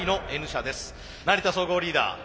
成田総合リーダー